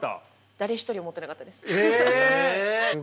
誰一人思ってなかったです。